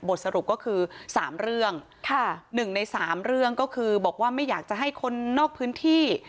สรุปก็คือ๓เรื่องหนึ่งในสามเรื่องก็คือบอกว่าไม่อยากจะให้คนนอกพื้นที่